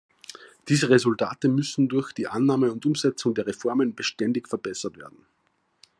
Diese Resultate müssen durch die Annahme und Umsetzung der Reformen beständig verbessert werden.